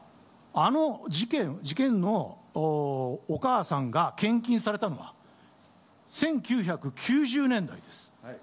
あの事件のお母さんが献金されたのは１９９０年代です。